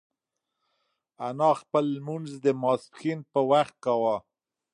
انا خپل لمونځ د ماسپښین په وخت کاوه.